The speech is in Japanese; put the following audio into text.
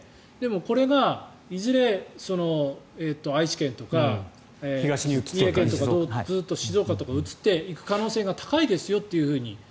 これがいずれ愛知県とか三重県とかずっと、静岡とかに移っていく可能性が高いですよって